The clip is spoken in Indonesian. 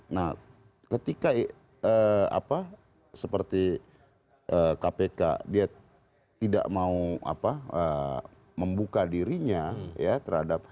nah ketika seperti kpk dia tidak mau membuka dirinya ya terhadap